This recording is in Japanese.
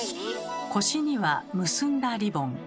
腰には結んだリボン。